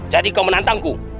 jadi kau menantangku